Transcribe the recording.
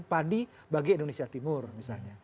dan padi bagi indonesia timur misalnya